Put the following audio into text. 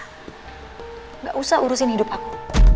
tidak usah urusin hidup aku